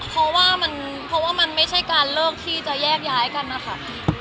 อ๋อเพราะว่ามันไม่ใช่การเลิกที่จะแยกย้ายกันนะคะ